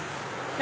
何？